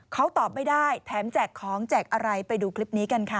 เขาตอบไม่ได้แถมแจกของแจกอะไรไปดูคลิปนี้กันค่ะ